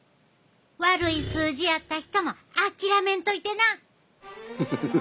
悪い数字やった人も諦めんといてな。